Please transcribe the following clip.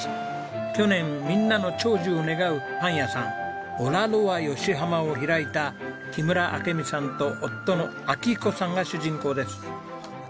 去年みんなの長寿を願うパン屋さんＯｌａｌｏａＹＯＳＨＩＨＡＭＡを開いた木村明美さんと夫の明彦さんが主人公です。